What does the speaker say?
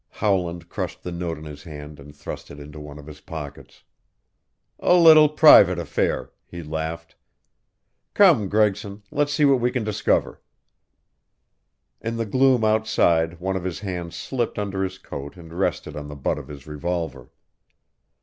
Howland crushed the note in his hand and thrust it into one of his pockets. "A little private affair," he laughed. "Comes Gregson, let's see what we can discover." In the gloom outside one of his hands slipped under his coat and rested on the butt of his revolver.